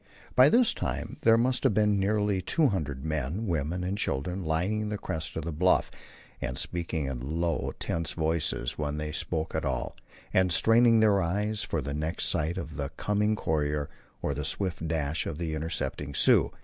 By this time there must have been nearly two hundred men, women and children lining the crest of the bluff, and speaking in low, tense voices when they spoke at all, and straining their eyes for the next sight of the coming courier or the swift dash of the intercepting Sioux.